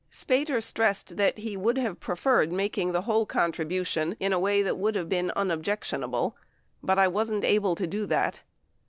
9 Spater stressed that he would have preferred making the whole contribution in a way that would have been unobjectionable but "I wasn't able to do it."